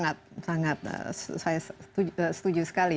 sangat sangat saya setuju sekali